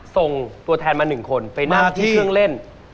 ส่งตัวแทนมา๑คนไปนั่งที่เครื่องเล่น